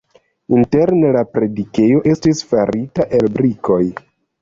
Interne la predikejo estis farita el brikoj.